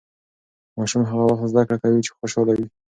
ماشوم هغه وخت زده کړه کوي چې خوشاله وي.